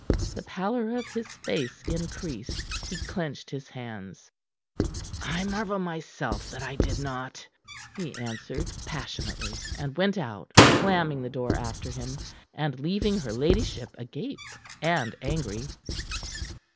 The pallor of his face increased. He clenched his hands. "I marvel myself that I did not," he answered passionately and went out, slamming the door after him, and leaving her ladyship agape and angry.